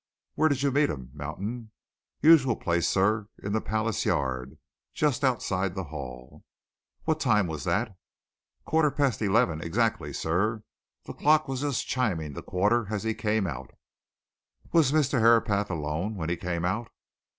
"Where did you meet him, Mountain?" "Usual place, sir in Palace Yard just outside the Hall." "What time was that?" "Quarter past eleven, exactly, sir the clock was just chiming the quarter as he came out." "Was Mr. Herapath alone when he came out?"